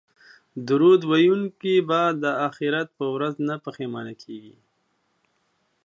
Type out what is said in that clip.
درود ویونکی به د اخرت په ورځ نه پښیمانه کیږي